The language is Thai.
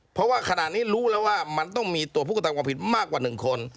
เพราะว่าขณะนี้รู้แล้วว่ามันต้องมีตัวผู้กระทำความผิดมากกว่า๑คน